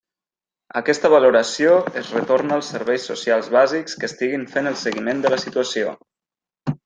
Aquesta valoració es retorna als serveis socials bàsics que estiguin fent el seguiment de la situació.